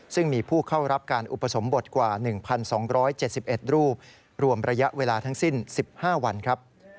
ซึ่งมีผู้เข้ารับการอุปสมบทกว่า๑๒๗๑รูปรวมระยะเวลาทั้งสิ้น๑๕วันครับ